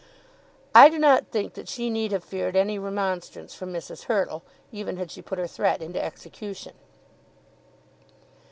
I do not think that she need have feared any remonstrance from Mrs. Hurtle, even had she put her threat into execution.